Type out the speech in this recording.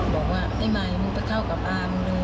บอกว่าไอ้มาายงคุณไปเข้ากับอ๋ามึงเลย